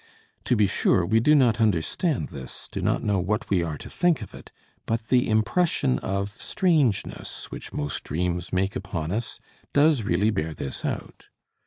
To be sure, we do not understand this, do not know what we are to think of it, but the impression of strangeness which most dreams make upon us does really bear this out.